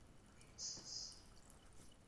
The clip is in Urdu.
یہ بات تو ہو گئی۔